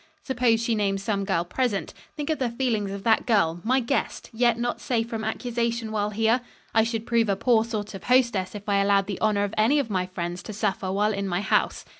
Suppose she names some girl present. Think of the feelings of that girl, my guest, yet not safe from accusation while here. I should prove a poor sort of hostess if I allowed the honor of any of my friends to suffer while in my house.